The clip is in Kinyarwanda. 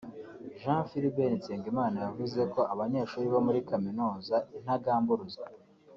Jean Philbert Nsengimana yavuze ko Abanyeshuri bo muri Kaminuza “Intagamburuzwa”